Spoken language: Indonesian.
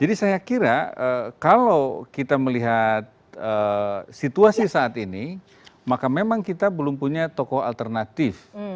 jadi saya kira kalau kita melihat situasi saat ini maka memang kita belum punya tokoh alternatif